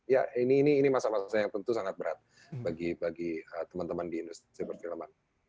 ya ini masalah masalah yang tentu sangat berat bagi teman teman di industri pertinaman